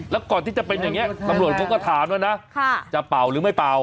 แล้วก่อนที่จะเป็นอย่างนี้ตำรวจเขาก็ถามแล้วนะจะเป่าหรือไม่เป่า